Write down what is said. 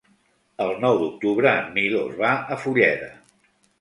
El nou d'octubre en Milos va a Fulleda.